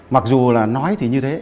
mặc dù là nói thì như thế